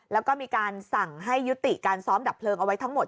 แล้วก็มีการสั่งให้ยุติการซ้อมดับเพลิงเอาไว้ทั้งหมด